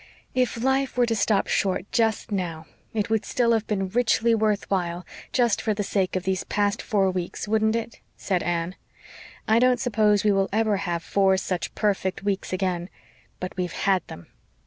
"If life were to stop short just now it would still have been richly worth while, just for the sake of these past four weeks, wouldn't it?" said Anne. "I don't suppose we will ever have four such perfect weeks again but we've HAD them.